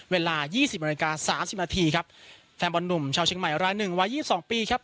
เวลายี่สิบนาฬิกาสามสิบนาทีครับแฟนบอลหนุ่มชาวเชียงใหม่รายหนึ่งวัย๒๒ปีครับ